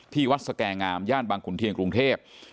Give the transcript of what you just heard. ที่วัดสแก่งามย่านบางขุนเทียนกรุงเทพ